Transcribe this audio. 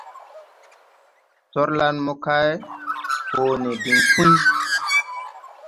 Torlan mokay hoo ne diŋ Puy.